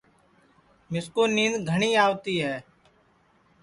مِسکُو نِینٚدؔ گھٹؔی آوتی ہے